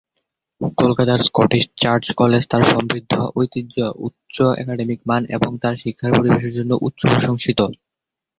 কলকাতার Scottish Church College তার সমৃদ্ধ ঐতিহ্য, উচ্চ একাডেমিক মান এবং তার শিক্ষার পরিবেশের জন্য উচ্চ প্রশংসিত।